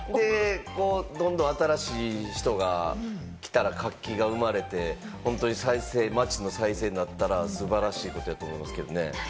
どんどん新しい人が来たら、活気が生まれて本当に町の再生になったら素晴らしいことやと思いますけれどもね。